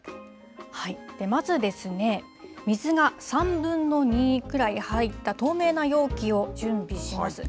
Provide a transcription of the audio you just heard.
まずですね、水が３分の２くらい入った透明な容器を準備します。